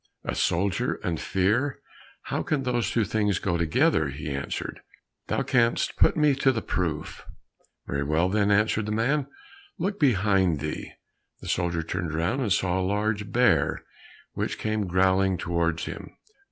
"A soldier and fear—how can those two things go together?" he answered; "thou canst put me to the proof." "Very well, then," answered the man, "look behind thee." The soldier turned round, and saw a large bear, which came growling towards him.